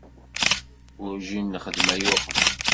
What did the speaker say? Werǧin nexdem aya uqbel.